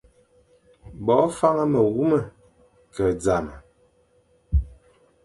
Bo faña me wume, ke zame,